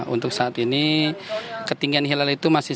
untuk saat ini ketinggian hilal itu masih